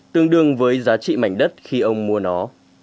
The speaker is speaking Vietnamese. tương đương với giá trị mảnh đất khi ông mua nó